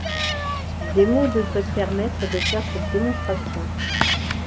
Démo devrait permette de faire cette démonstration.